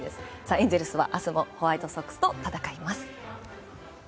エンゼルスは明日もホワイトソックスと戦います。